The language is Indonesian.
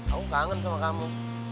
aku kangen sama kamu